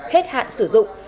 hết hạn sử dụng